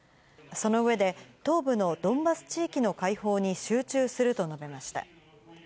その上で、東部のドンバス地域の解放に集中すると述べました。